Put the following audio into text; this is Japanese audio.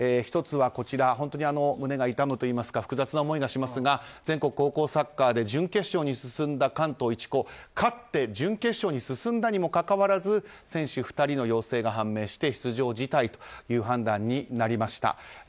１つは、胸が痛むといいますか複雑な思いがしますが全国高校サッカーで準決勝に進んだ関東一高勝って準決勝に進んだにもかかわらず選手２人の陽性が判明して出場辞退という判断になりました。